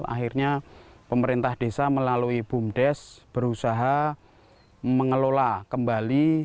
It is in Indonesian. akhirnya pemerintah desa melalui bumdes berusaha mengelola kembali